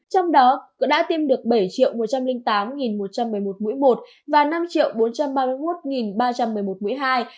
trong đó cũng đã tiêm được bảy một trăm linh tám một trăm một mươi một mũi một và năm bốn trăm ba mươi một ba trăm một mươi một mũi hai